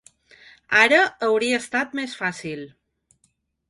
Ara hauria estat més fàcil.